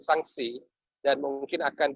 sangsi dan mungkin akan